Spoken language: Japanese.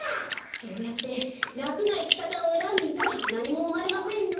そうやってらくないきかたをえらんでいたらなにもうまれませんよ。